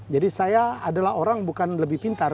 jadi saya adalah orang bukan lebih pintar